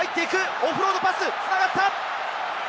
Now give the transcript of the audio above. オフロードパス、繋がった！